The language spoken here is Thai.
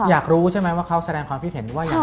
อยากรู้ใช่ไหมว่าเขาแสดงความคิดเห็นว่าอย่างไร